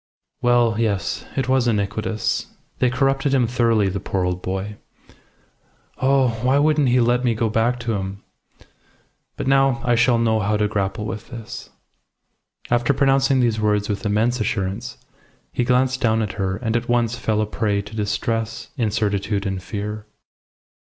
"Well, yes. It was iniquitous. They corrupted him thoroughly, the poor old boy. Oh! why wouldn't he let me go back to him? But now I shall know how to grapple with this." After pronouncing these words with immense assurance, he glanced down at her, and at once fell a prey to distress, incertitude, and fear.